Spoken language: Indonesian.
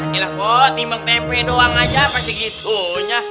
gila kok timbang tempe doang aja apa segitunya